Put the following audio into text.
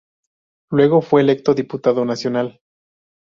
Luego fue electo diputado nacional.